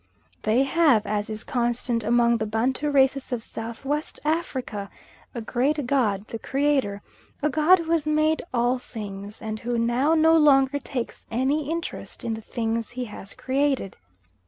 They have, as is constant among the Bantu races of South West Africa, a great god the creator, a god who has made all things, and who now no longer takes any interest in the things he has created.